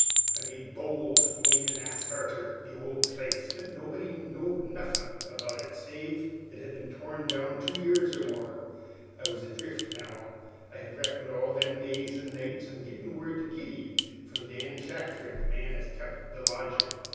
"I made bold to go in an' ask arter the old place, but nobody knowed nothin' about it, save as it had been torn down two years or more. I was adrift now, for I had reckoned all them days and nights on gittin' word of Kitty from Dan Shackford, the man as kept the lodgin'.